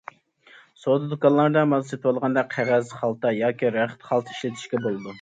سودا دۇكانلاردا مال سېتىۋالغاندا قەغەز خالتا ياكى رەخت خالتا ئىشلىتىشكە بولىدۇ.